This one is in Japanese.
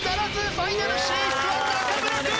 ファイナル進出は中村君！